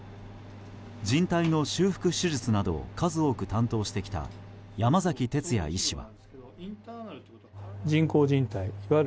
じん帯の修復手術など数多く担当してきた山崎哲也医師は。